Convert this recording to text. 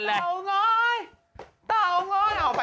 สวัสดีค่ะ